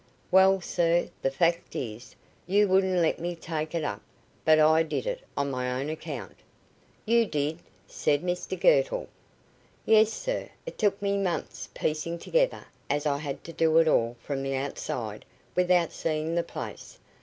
"Well, sir, the fact is, you wouldn't let me take it up; but I did it on my own account." "You did?" said Mr Girtle. "Yes, sir; it took me months piecing together, as I had to do it all from the outside, without seeing the place.